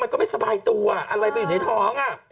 ก็ไม่สบายตัวอะไรไปอยู่ในท้อง